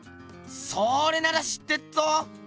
それなら知ってっぞ！